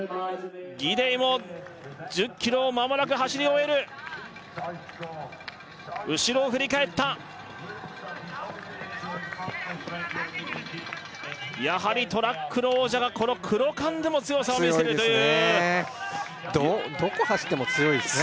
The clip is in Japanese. ギデイも１０ｋｍをまもなく走り終える後ろを振り返ったやはりトラックの王者がこのクロカンでも強さを見せるというどこ走っても強いですね